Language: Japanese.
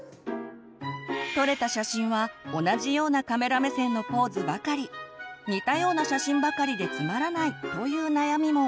撮れた写真は同じようなカメラ目線のポーズばかり似たような写真ばかりでつまらないという悩みも。